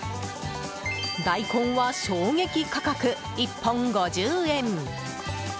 大根は衝撃価格、１本５０円！